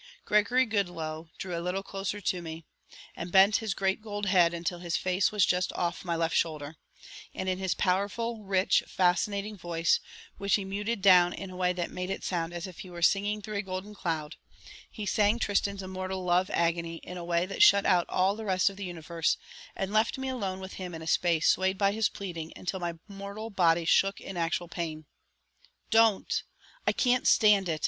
Gregory Goodloe drew a little closer to me and bent his great gold head until his face was just off my left shoulder, and in his powerful, rich, fascinating voice, which he muted down in a way that made it sound as if he were singing through a golden cloud, he sang Tristan's immortal love agony in a way that shut out all the rest of the universe and left me alone with him in a space swayed by his pleading until my mortal body shook in actual pain. "Don't! I can't stand it!"